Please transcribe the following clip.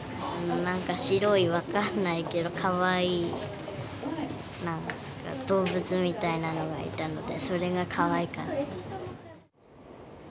何か白い分かんないけどかわいい動物みたいなのがいたのでそれがかわいかった。